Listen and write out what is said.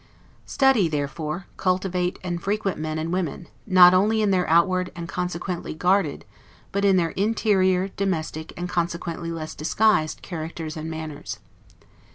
Study, therefore, cultivate, and frequent men and women; not only in their outward, and consequently, guarded, but in their interior, domestic, and consequently less disguised, characters and manners.